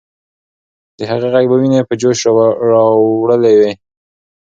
د هغې ږغ به ويني په جوش راوړلې وې.